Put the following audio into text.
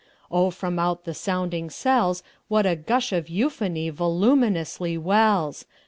Oh, from out the sounding cells, What a gush of euphony voluminously wells!